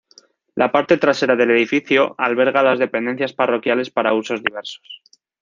La parte trasera del edificio alberga las dependencias parroquiales para usos diversos.